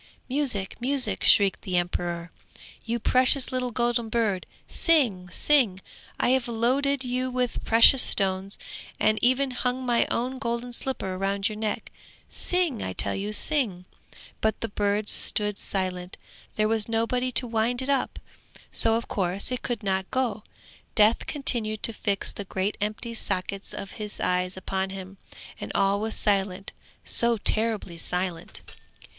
'Music, music!' shrieked the emperor. 'You precious little golden bird, sing, sing! I have loaded you with precious stones, and even hung my own golden slipper round your neck; sing, I tell you, sing!' But the bird stood silent; there was nobody to wind it up, so of course it could not go. Death continued to fix the great empty sockets of his eyes upon him, and all was silent, so terribly silent.